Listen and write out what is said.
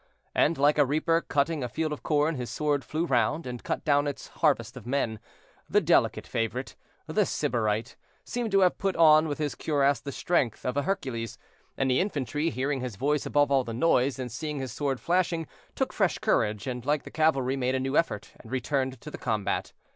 and, like a reaper cutting a field of corn, his sword flew round, and cut down its harvest of men; the delicate favorite—the Sybarite—seemed to have put on with his cuirass the strength of a Hercules; and the infantry, hearing his voice above all the noise, and seeing his sword flashing, took fresh courage, and, like the cavalry, made a new effort, and returned to the combat.